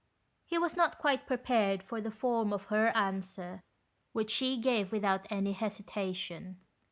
He was not quite prepared for the form of her answer, which she gave without any hesita tion.